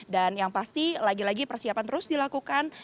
dan yang pasti lagi lagi persiapan terus dilakukan